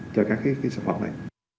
cho các sản phẩm này